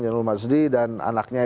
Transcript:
jendral mazdi dan anaknya